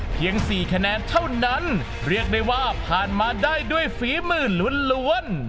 เพียง๔คะแนนเท่านั้นเรียกได้ว่าผ่านมาได้ด้วยฝีมือล้วน